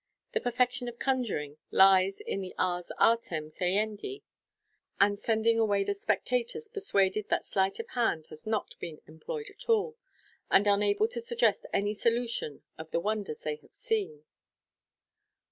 The perfection o£ conjuring lies in the ars artem celandi — in sending MODERN MAGIC. 511 away the spectators persuaded that sleight of hand has not been employed at all, and unable to suggest any solution of the wondera they have seen.